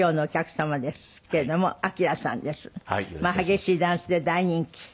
激しいダンスで大人気。